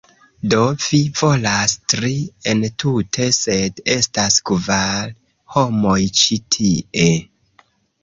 "Do, vi volas tri entute, sed estas kvar homoj ĉi tie